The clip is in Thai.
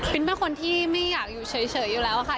เป็นคนที่ไม่อยากอยู่เฉยอยู่แล้วค่ะ